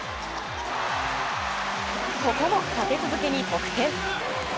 ここも立て続けに得点。